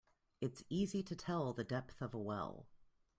It's easy to tell the depth of a well.